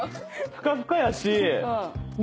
ふかふかやし。